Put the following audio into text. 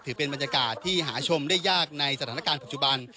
ถือเป็นบรรยากาศที่หาชมได้ยากในสถานการณ์ปัจจุบัน